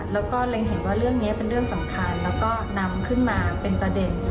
แล้วก็เล็งเห็นว่าเรื่องนี้เป็นเรื่องสำคัญแล้วก็นำขึ้นมาเป็นประเด็น